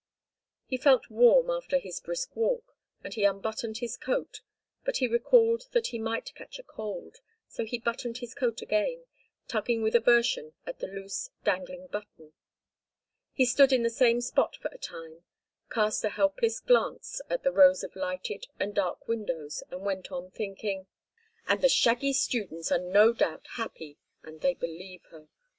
He felt warm after his brisk walk, and he unbuttoned his coat, but he recalled that he might catch a cold, so he buttoned his coat again, tugging with aversion at the loose, dangling button. He stood in the same spot for a time, cast a helpless glance at the rows of lighted and dark windows and went on thinking: "And the shaggy students are no doubt happy, and they believe her.